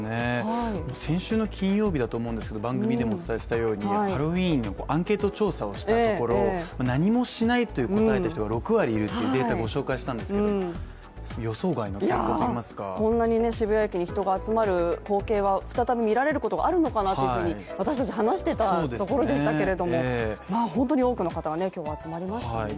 先週の金曜日だと思うんですけど番組でもお伝えしたようにハロウィーンのアンケート調査をしたところ何もしないと答えた人が６割いるというデータをご紹介したんですが予想外といいますかこんなに渋谷駅に人が集まる光景は再び見られることがあるのかなというふうに私たち話していたところですけれども本当に多くの方が今日は集まりましたね。